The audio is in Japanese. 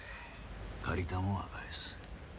借りたもんは返す。